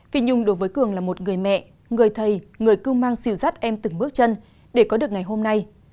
phi nhung đối với cường là một người mẹ người thầy người cư mang xìu rắt em từng bước chân để có được ngày hôm nay